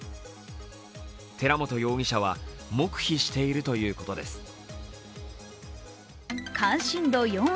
寺本容疑者は、黙秘しているということです。